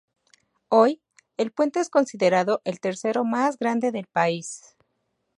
Hoy, el puente es considerado el tercero más grande del país.